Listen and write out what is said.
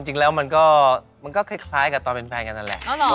จริงแล้วมันก็คล้ายกับตอนเป็นแฟนกันนั่นแหละ